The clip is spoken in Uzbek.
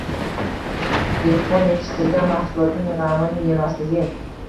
dehqon yetishtirgan mahsulotning g‘amini yemasligi